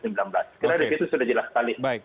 kira kira begitu sudah jelas sekali